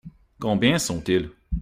Combien sont-ils ?